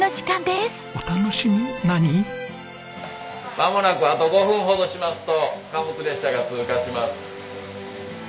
まもなくあと５分ほどしますと貨物列車が通過します。